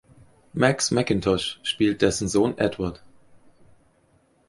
Max Mackintosh spielt dessen Sohn Edward.